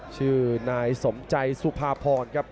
ชื่อนายสมใจสุภาพรครับ